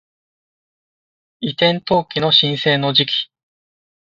移転登記の申請の時期